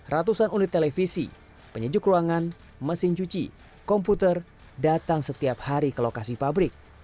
ratusan unit televisi penyejuk ruangan mesin cuci komputer datang setiap hari ke lokasi pabrik